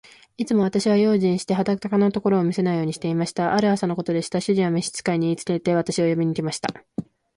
いつも私は用心して、裸のところを見せないようにしていました。ある朝のことでした。主人は召使に言いつけて、私を呼びに来ました。